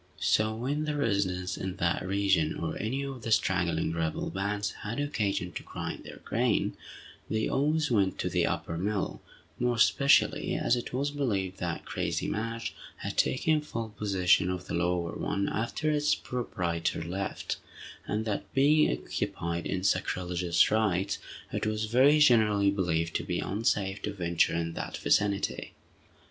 So when the residents in that region, or any of the straggling rebel bands, had occasion to grind their grain, they always went to the upper mill, more especially as it was believed that "crazy Madge" had taken full possession of the lower one after its proprietor left, and that, being occupied in sacrilegious rites, it was very generally believed to be unsafe to venture in that vicinity.